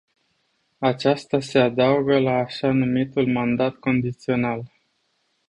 Aceasta se adaugă la așa-numitul mandat condițional.